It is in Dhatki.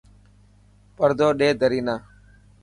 پردو ڏي دري نا.